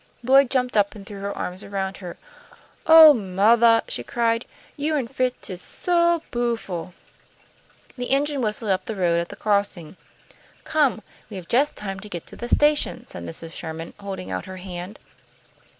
Lloyd jumped up and threw her arms about her. "Oh, mothah," she cried, "you an' Fritz is so bu'ful!" The engine whistled up the road at the crossing. "Come, we have just time to get to the station," said Mrs. Sherman, holding out her hand.